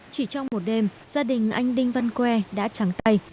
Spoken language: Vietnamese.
chỉ trong một đêm gia đình anh đinh văn que đã trắng tay